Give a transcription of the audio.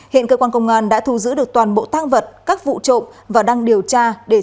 hiện cơ quan công an đã thu giữ được toàn bộ thang vật các vụ trộm và đang điều tra để xử lý các đối tượng